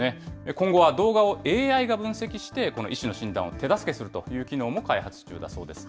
今後は動画をＡＩが分析して、この医師の診断を手助けするという機能も開発中だそうです。